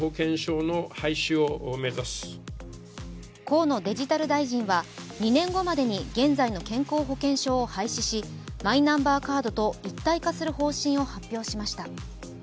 河野デジタル大臣は２年後までに現在の健康保険証を廃止しマイナンバーカードと一体化する方針を発表しました。